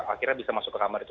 akhirnya bisa masuk ke kamar itu